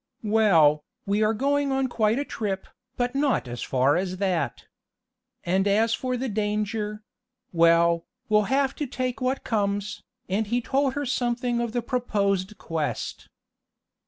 "Well, we are going on quite a trip, but not as far as that. And as for the danger well, we'll have to take what comes," and he told her something of the proposed quest.